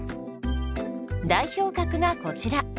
代表格がこちら。